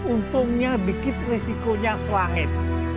untungnya dikit risikonya selangit